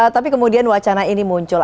tapi kemudian wacana ini muncul